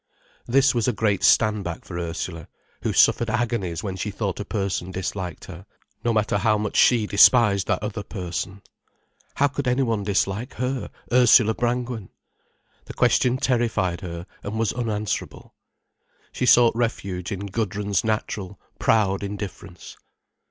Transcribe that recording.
This was a great stand back for Ursula, who suffered agonies when she thought a person disliked her, no matter how much she despised that other person. How could anyone dislike her, Ursula Brangwen? The question terrified her and was unanswerable. She sought refuge in Gudrun's natural, proud indifference.